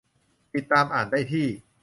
- ติดตามอ่านได้ที่